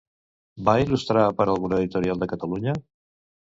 Va il·lustrar per a alguna editorial de Catalunya?